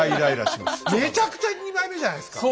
めちゃくちゃ二枚目じゃないですか。